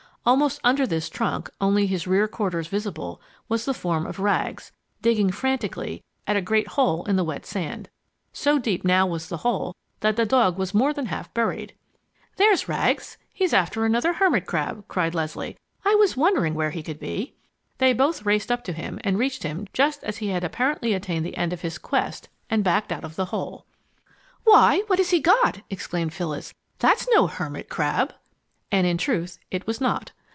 Almost under this trunk, only his rear quarters visible, was the form of Rags, digging frantically at a great hole in the wet sand. So deep now was the hole that the dog was more than half buried. "There's Rags! He's after another hermit crab!" cried Leslie. "I was wondering where he could be." They both raced up to him and reached him just as he had apparently attained the end of his quest and backed out of the hole. "Why, what has he got?" exclaimed Phyllis. "That's no hermit crab!" And in truth it was not.